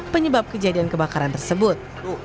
penyebab kejadian kebakaran tersebut